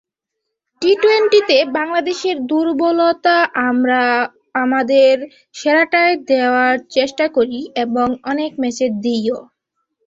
টি-টোয়েন্টিতে বাংলাদেশের দুর্বলতাআমরা আমাদের সেরাটাই দেওয়ার চেষ্টা করি এবং অনেক ম্যাচে দিইও।